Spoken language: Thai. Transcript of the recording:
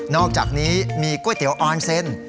อกจากนี้มีก๋วยเตี๋ยวออนเซ็น